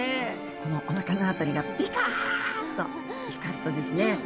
このおなかの辺りがピカッと光るとですね